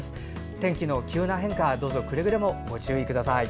天気の急な変化どうぞくれぐれもご注意ください。